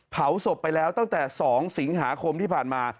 เผาศพไปแล้วตั้งแต่๒สิงหาคมที่ผ่านมา